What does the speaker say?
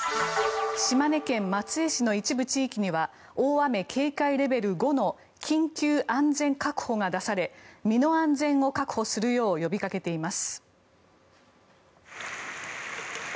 島根県松江市の一部地域には大雨警戒レベル５の緊急安全確保が出され身の安全を確保するよう呼びかけています。